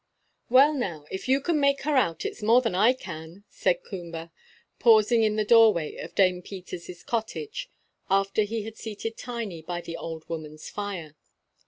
"Well, now, if you can make her out, it's more than I can," said Coomber, pausing in the doorway of Dame Peters' cottage, after he had seated Tiny by the old woman's fire.